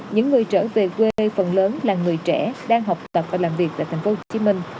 những người trở về quê phần lớn là người trẻ đang học tập và làm việc tại tp hcm